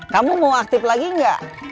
kamu mau aktif lagi nggak